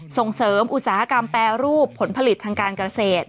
ส่งเสริมอุตสาหกรรมแปรรูปผลผลิตทางการเกษตร